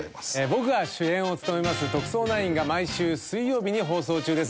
僕が主演を務めます『特捜９』が毎週水曜日に放送中です。